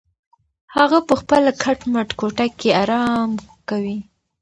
هغه په خپله کټ مټ کوټه کې ارام کوي.